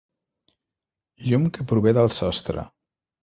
Llum que prové del sostre.